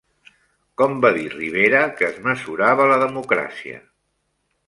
Com va dir Rivera que es mesurava la democràcia?